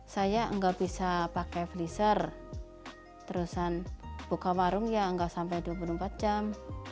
saya nggak bisa pakai freezer terusan buka warung ya nggak sampai dua puluh empat jam